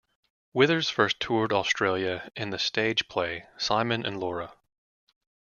Withers first toured Australia in the stage play "Simon and Laura".